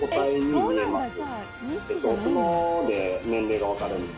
角で年齢がわかるんで。